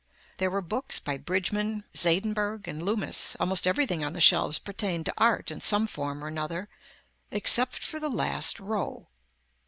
There were books by Bridgeman, Zaindenburg and Loomis, almost everything on the shelves pertained to art in some form or another except for the last row.